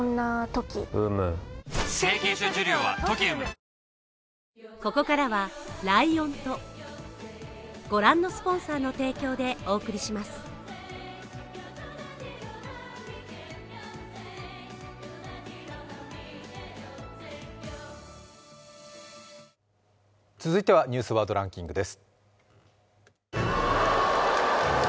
サントリー「金麦」続いては「ニュースワードランキング」です。